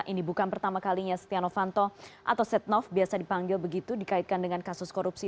ini bukan pertama kalinya setia novanto atau setnov biasa dipanggil begitu dikaitkan dengan kasus korupsi